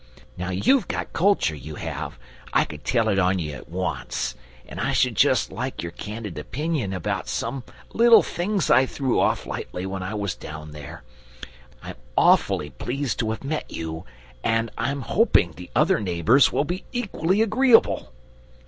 Now you've got culture, you have, I could tell it on you at once, and I should just like your candid opinion about some little things I threw off lightly, when I was down there. I'm awfully pleased to have met you, and I'm hoping the other neighbours will be equally agreeable.